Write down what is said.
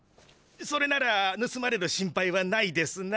それならぬすまれる心配はないですな。